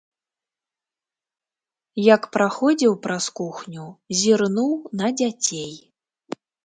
Як праходзіў праз кухню, зірнуў на дзяцей.